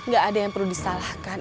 gak ada yang perlu disalahkan